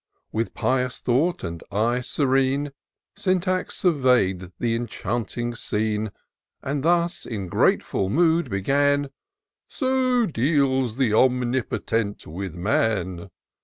With pious thought and eye serene. Syntax survey'd th' enchanting scfene. And thus in grateful mood began :" So deals th' Omnipotent with man